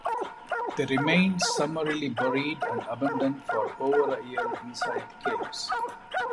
They remained summarily buried and abandoned for over a year inside the caves.